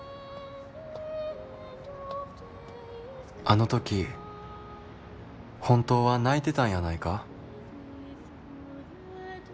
「あの時本当は泣いてたんやないか？」。